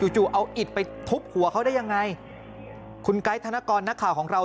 จู่เอาอิดไปทุบหัวเขาได้ยังไงคุณไกด์ธนกรนักข่าวของเรา